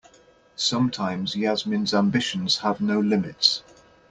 Sometimes Yasmin's ambitions have no limits.